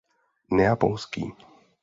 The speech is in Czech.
Neapolský.